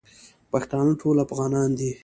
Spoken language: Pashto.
پښتانه ټول افغانان دی.